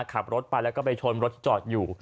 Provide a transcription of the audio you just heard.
ขับรถไปแล้วก็ไปชนรถจอดอยู่